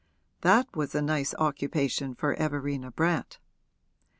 That was a nice occupation for Everina Brant!